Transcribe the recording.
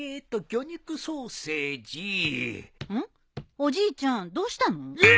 おじいちゃんどうしたの？